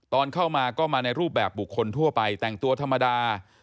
ตอนเข้ามาก็มาในรูปแบบบุคคลทั่วไปแต่งตัวธรรมดา